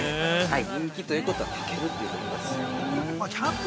◆人気ということは炊けるということですよ。